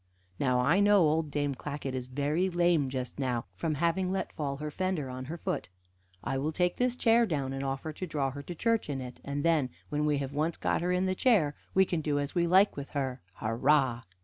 Now, I know old Dame Clackett is very lame just now, from having let fall her fender on her foot. I will take this chair down, and offer to draw her to church in it, and then, when we have once got her in the chair, we can do as we like with her. Hurrah!"